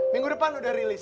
minggu depan udah rilis